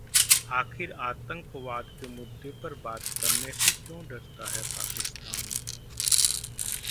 आखिर आतंकवाद के मुद्दे पर बात करने से क्यों डरता है पाकिस्तान?